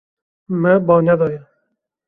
Me ba nedaye.